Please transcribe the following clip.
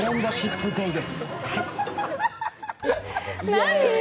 何？